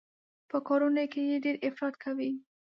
په کارونو کې يې ډېر افراط کوي.